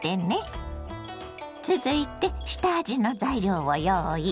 続いて下味の材料を用意。